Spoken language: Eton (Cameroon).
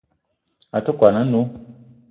A te kwuan a-nnó